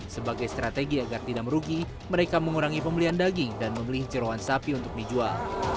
sebagai strategi agar tidak merugi mereka mengurangi pembelian daging dan membeli jerawan sapi untuk dijual